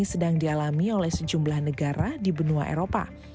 sedang dialami oleh sejumlah negara di benua eropa